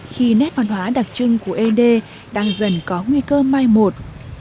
khi nét văn hóa đặc trưng của ây đê đang dần có nguy cơ mai một